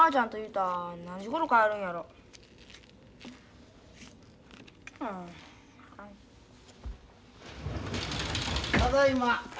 ・ただいま。